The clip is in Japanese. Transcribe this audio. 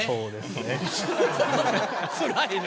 つらいね。